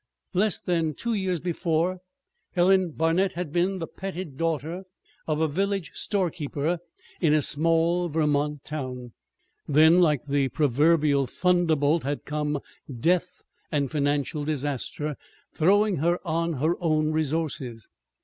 Less than two years before, Helen Barnet had been the petted daughter of a village storekeeper in a small Vermont town. Then, like the proverbial thunderbolt, had come death and financial disaster, throwing her on her own resources.